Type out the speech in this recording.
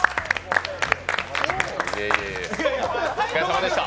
お疲れさまでした。